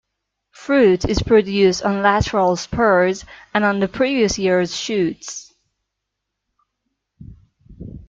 Fruit is produced on lateral spurs and on the previous year's shoots.